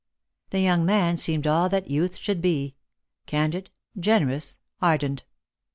The young man seemed all that youth should be — candid, generous, ardent.